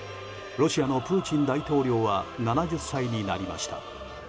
ロシアのプーチン大統領は７０歳になりました。